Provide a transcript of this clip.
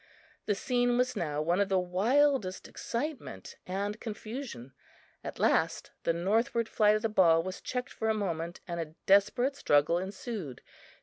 The scene was now one of the wildest excitement and confusion. At last, the northward flight of the ball was checked for a moment and a desperate struggle ensued.